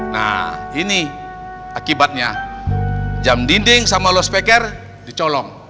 nah ini akibatnya jam dinding sama lo sepikar dicolong